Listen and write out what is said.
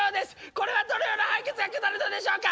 これはどのような判決が下るのでしょうか？